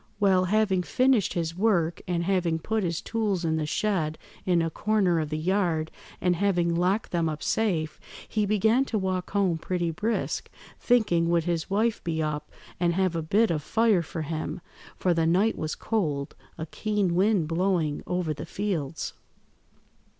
Well, having finished his work, and having put his tools in the shed in a corner of the yard, and having locked them up safe, he began to walk home pretty brisk, thinking would his wife be up and have a bit of fire for him, for the night was cold, a keen wind blowing over the fields.